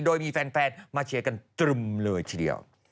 โดยมีแฟนมาเชียร์กันตรึมเลยทีเดียว